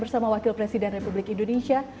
bersama saya bersama wakil presiden republik indonesia